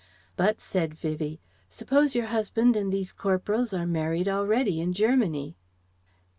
"But," said Vivie, "suppose your husband and these corporals are married already, in Germany?"